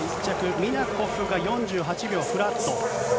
ミナコフが４８秒フラット。